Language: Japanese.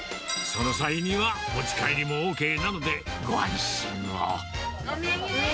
その際にはお持ち帰りもＯＫなので、ご安心を。